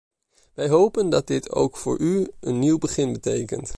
Wij hopen dat dit ook voor u een nieuw begin betekent.